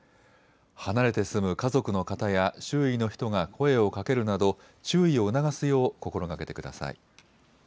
離れて住む家族の方や周囲の人が声をかけるなど注意をうながすよう心がけてください。